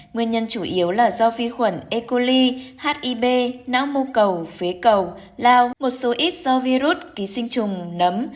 nguyên nhân chủ yếu là do vi khuẩn e coli h i b não mô cầu phế cầu lao một số ít do virus ký sinh trùng nấm